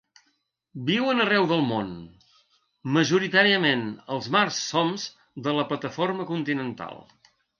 Viuen arreu del món, majoritàriament als mars soms de la plataforma continental.